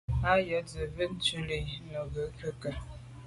Á jíìt sə́ vhə̀ə́ thúvʉ́ dlíj Nùŋgɛ̀ kɛ́ɛ̀ á.